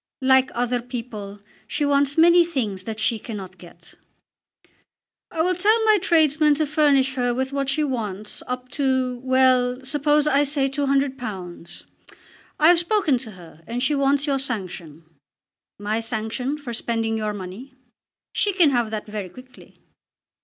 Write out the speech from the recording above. "Like other people she wants many things that she cannot get." "I will tell my tradesmen to furnish her with what she wants, up to, well, suppose I say £200. I have spoken to her and she wants your sanction." "My sanction for spending your money? She can have that very quickly."